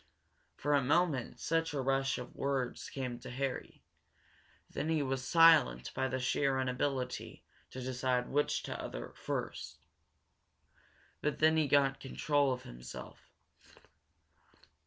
For a moment such a rush of words came to Harry, that he was silent by the sheer inability to decide which to utter first. But then he got control of himself.